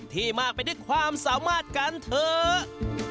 มากไปด้วยความสามารถกันเถอะ